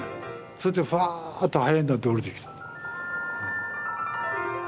そしてふわっと灰になって下りてきた。